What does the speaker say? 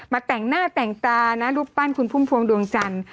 แต่งหน้าแต่งตานะรูปปั้นคุณพุ่มพวงดวงจันทร์